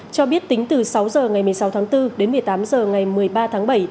cho biết tính từ sáu h ngày một mươi sáu tháng bốn đến một mươi tám h ngày một mươi ba tháng bảy